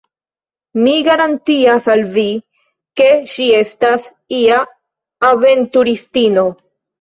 Mi garantias al vi, ke ŝi estas ia aventuristino!